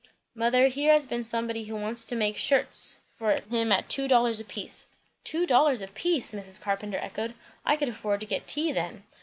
"Mother, here has been somebody who wants you to make shirts for him at two dollars a piece." "Two dollars a piece!" Mrs. Carpenter echoed. "I could afford to get tea then.